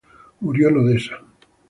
Murió en Odessa.